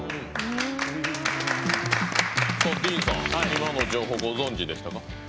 今の情報、ご存じでしたか？